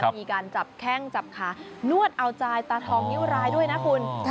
มีการจับแข้งจับขานวดเอาใจตาทองนิ้วรายด้วยนะคุณ